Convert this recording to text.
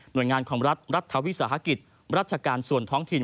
โดยงานของรัฐรัฐวิสาหกิจรัชการส่วนท้องถิ่น